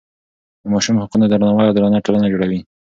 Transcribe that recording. د ماشوم حقونو ته درناوی عادلانه ټولنه جوړوي.